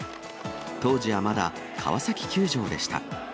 当時はまだ川崎球場でした。